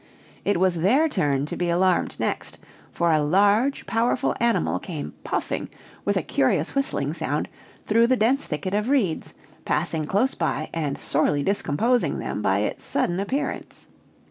It was their turn to be alarmed next, for a large powerful animal came puffing, with a curious whistling sound, through the dense thicket of reeds, passing close by and sorely discomposing them by its sudden appearance.